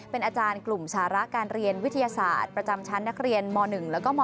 เป็นอาจารย์กลุ่มสาระการเรียนวิทยาศาสตร์ประจำชั้นนักเรียนม๑แล้วก็ม๔